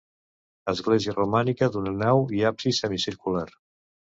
Església romànica d'una nau i absis semicircular.